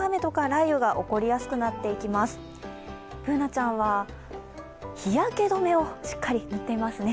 Ｂｏｏｎａちゃんは日焼け止めをしっかり塗っていますね。